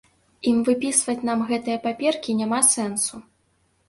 Ім выпісваць нам гэтыя паперкі няма сэнсу.